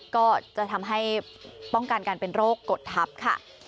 ก็จะทำให้ป้องกันการเป็นโรคกดทับค่ะ